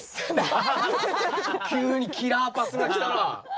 急にキラーパスが来たな。